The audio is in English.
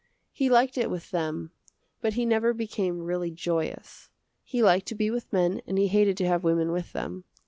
He liked it with them but he never became really joyous. He liked to be with men and he hated to have women with them.